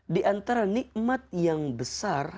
di antara nikmat yang besar